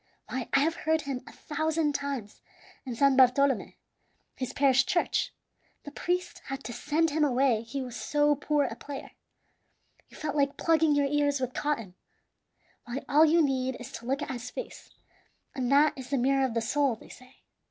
Why, I have heard him a thousand times in San Bartolome, his parish church; the priest had to send him away he was so poor a player. You felt like plugging your ears with cotton. Why, all you need is to look at his face, and that is the mirror of the soul, they say.